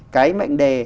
cái mệnh đề